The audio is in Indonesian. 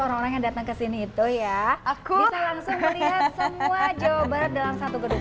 orang orang yang datang ke sini itu ya aku bisa langsung melihat semua jawa barat dalam satu gedung